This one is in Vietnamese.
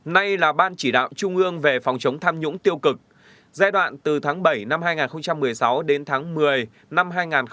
nay là ban chỉ đạo trung ương về phòng chống tham nhũng tiêu cực giai đoạn từ tháng bảy năm hai nghìn một mươi sáu đến tháng một mươi năm hai nghìn một mươi tám